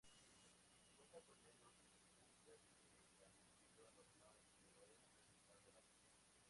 Cuenta con menos pistas que la edición normal, pero es mucho más barato.